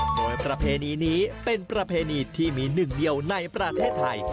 โดยประเพณีนี้เป็นประเพณีที่มีหนึ่งเดียวในประเทศไทย